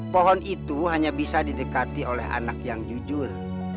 pohon itu hanya bisa didekati oleh anak yang jujur